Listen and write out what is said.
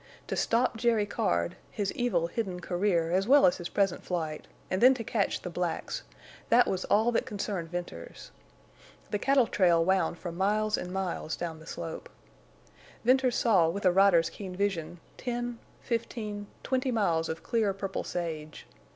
To stop Jerry Card, his evil hidden career as well as his present flight, and then to catch the blacks—that was all that concerned Venters. The cattle trail wound for miles and miles down the slope. Venters saw with a rider's keen vision ten, fifteen, twenty miles of clear purple sage.